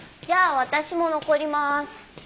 じゃあ私も残りまーす。